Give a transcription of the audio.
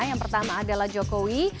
yang pertama adalah jokowi